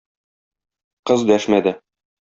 Кыз дәшмәде.